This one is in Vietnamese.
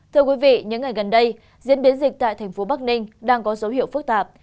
thưa quý vị những ngày gần đây diễn biến dịch tại thành phố bắc ninh đang có dấu hiệu phức tạp